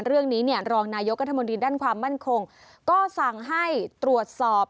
เรื่องนี้รองนายกัธมดินด้านความมั่นคงก็สั่งให้ตรวจสอบ